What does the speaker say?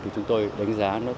thì chúng tôi đánh giá